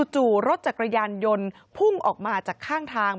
จู่รถจักรยานยนต์พุ่งออกมาจากข้างทาง